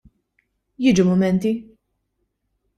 Jiġu mumenti.